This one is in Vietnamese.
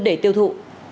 để tiêu thụ